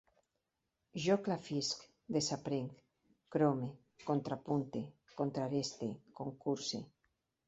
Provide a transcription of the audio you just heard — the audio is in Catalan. Jo clafisc, desaprenc, crome, contrapunte, contrareste, concurse